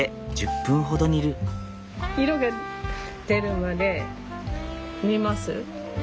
色が出るまで煮ます。